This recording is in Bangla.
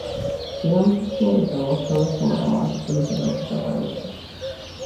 শ্রীরামকৃষ্ণের জন্মোৎসবের সময় আমার কলিকাতায় থাকার ভারি ইচ্ছা।